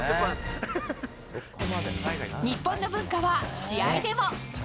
日本の文化は試合でも。